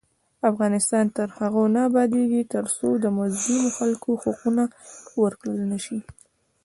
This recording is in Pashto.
افغانستان تر هغو نه ابادیږي، ترڅو د مظلومو خلکو حقونه ورکړل نشي.